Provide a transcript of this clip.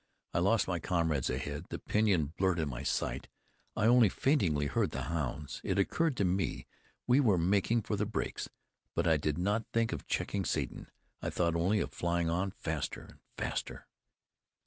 I lost my comrades ahead; the pinyons blurred in my sight; I only faintly heard the hounds. It occurred to me we were making for the breaks, but I did not think of checking Satan. I thought only of flying on faster and faster.